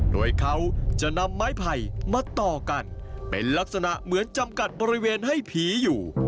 โดยเขาจะนำไม้ไผ่มาต่อกันเป็นลักษณะเหมือนจำกัดบริเวณให้ผีอยู่